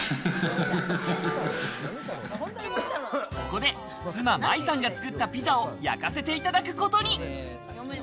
ここで妻・五月さんが作ったピザを焼かせていただくことに。